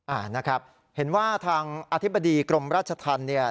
อ่านะครับเห็นว่าทางอธิบดีกรมราชธรรมเนี่ย